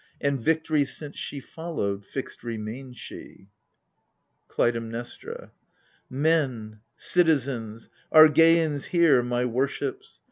And Victory, since she followed, fixed remain she ! KLUTAIMNESTRA. Men, citizens, Argeians here, my worships